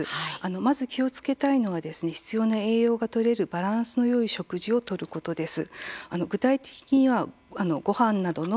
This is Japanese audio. まず気をつけたいのは必要な栄養がとれるバランスのよい食事をとることです。